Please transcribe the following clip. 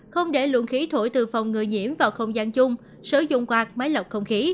không để lượng khí thổi từ phòng ngừa nhiễm vào không gian chung sử dụng quạt máy lọc không khí